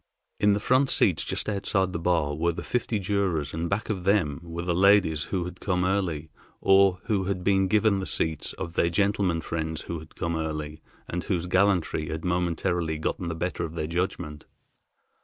In the front seats just outside the bar were the fifty jurors and back of them were the ladies who had come early, or who had been given the seats of their gentlemen friends who had come early, and whose gallantry had momentarily gotten the better of their judgment.